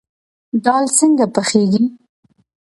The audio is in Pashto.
دال څنګه پخیږي؟